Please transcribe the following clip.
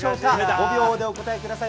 ５秒でお答えください。